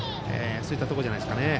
そういったところじゃないですか。